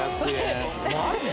マジで？